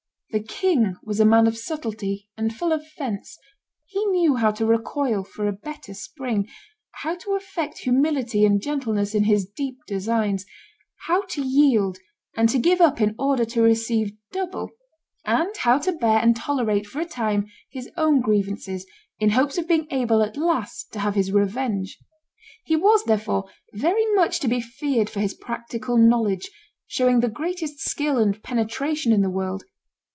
The king was a man of subtlety and full of fence; he knew how to recoil for a better spring, how to affect humility and gentleness in his deep designs, how to yield and to give up in order to receive double, and how to bear and tolerate for a time his own grievances in hopes of being able at last to have his revenge. He was, therefore, very much to be feared for his practical knowledge, showing the greatest skill and penetration in the world.